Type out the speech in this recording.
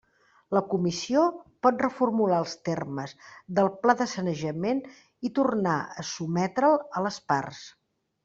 La Comissió pot reformular els termes del pla de sanejament i tornar a sotmetre'l a les parts.